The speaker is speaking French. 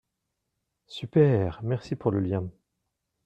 Super, merci pour le lien.